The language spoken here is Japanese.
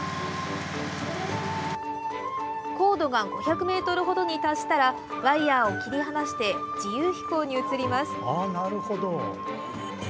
高度が５００ｍほどに達したらワイヤを切り離して自由飛行に移ります。